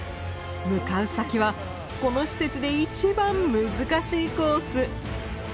向かう先はこの施設で一番難しいコース。